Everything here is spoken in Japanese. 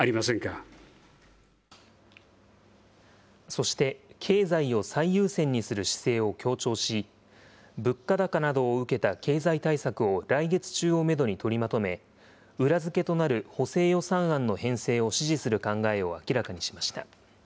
そして、経済を最優先にする姿勢を強調し、物価高などを受けた経済対策を来月中をメドに取りまとめ、裏付けとなる補正予算案の編成を指示する考えを明らかにしました。